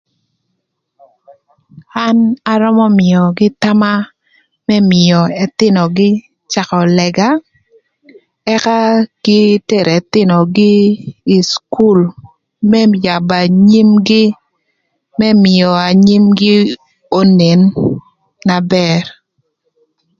An arömö mïögï thama më mïö ëthïnögï cakö lëga ëka kï tero ëthïnögï ï cukul më yabö anyimgï më mïö anyimgï onen na bër.